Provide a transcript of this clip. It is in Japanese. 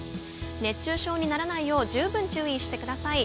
熱中症にならないようじゅうぶん注意してください。